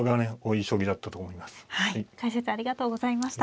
解説ありがとうございました。